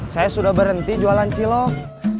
saya sudah berhenti jualan cilok